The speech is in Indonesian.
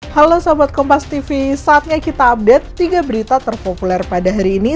halo selamat kompas tv saatnya kita update tiga berita terpopuler pada hari ini